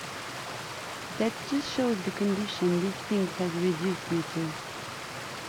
That just shows the condition this thing has reduced me to.